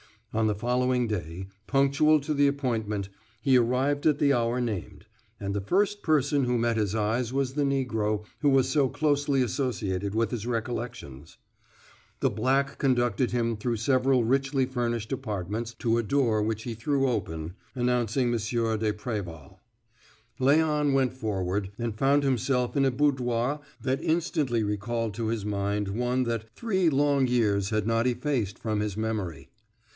On the following day, punctual to the appointment, he arrived at the hour named, and the first person who met his eyes was the Negro who was so closely associated with his recollections. The black conducted him through several richly furnished apartments to a door which he threw open, announcing M. de Préval. Léon went forward, and found himself in a boudoir that instantly recalled to his mind one that three long years had not effaced from his memory.